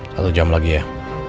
satu jam lagi ya